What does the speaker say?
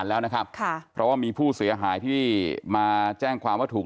แล้วเขาพาไปกดไปอะไรยังไง